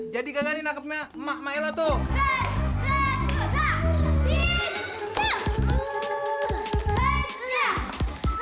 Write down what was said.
jadi kagak ini nangkepnya emak emak ella tuh